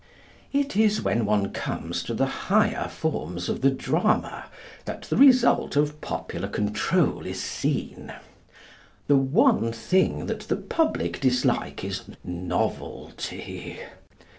It is when one comes to the higher forms of the drama that the result of popular control is seen. The one thing that the public dislike is novelty.